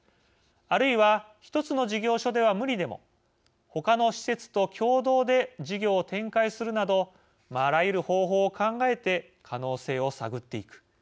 あるいは１つの事業所では無理でも他の施設と共同で事業を展開するなどあらゆる方法を考えて可能性を探っていく。